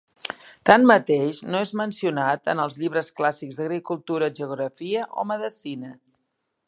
Tanmateix no és mencionat en els llibres clàssics d'agricultura, geografia o medicina.